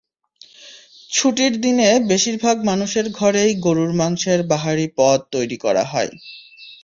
ছুটির দিনে বেশিরভাগ মানুষের ঘরেই গরুর মাংসের বাহারি পদ তৈরি করা হয়।